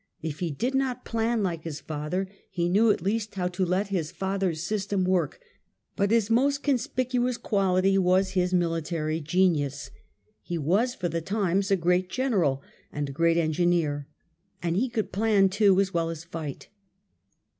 If he did not plan like his father, he knew at least how to let his father's system work. But his most conspicuous quality was his military genius. He was, for the times, a great general and a great engineer. And he could plan too as well as fight.